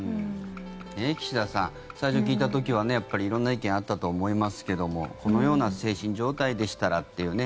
岸田さん、最初聞いた時は色んな意見があったと思いますけどもこのような精神状態でしたらっていうね。